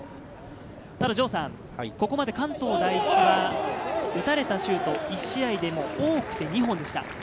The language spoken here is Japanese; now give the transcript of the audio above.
ただここまで関東第一は、打たれたシュート、１試合でも多くて２本でした。